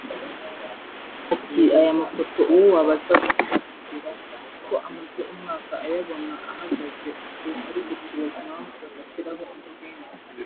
Ati “Aya mapoto uwo wabaza wese yakubwira ko amaze umwaka ayabona ahagaze uku ariko twibaza imapmvu badashyiraho intsinga